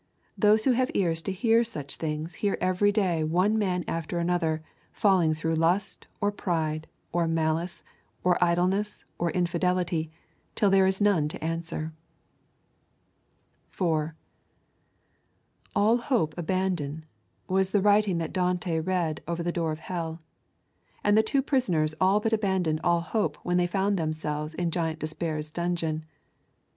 Those who have ears to hear such things hear every day one man after another falling through lust or pride or malice or idleness or infidelity, till there is none to answer. 4. 'All hope abandon' was the writing that Dante read over the door of hell. And the two prisoners all but abandoned all hope when they found themselves in Giant Despair's dungeon.